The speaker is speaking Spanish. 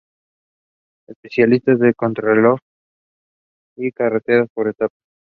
Especialista en contrarreloj y carreras por etapas.